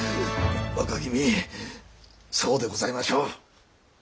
若君そうでございましょう？